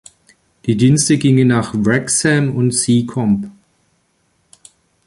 Die Dienste gingen nach Wrexham und Seacombe.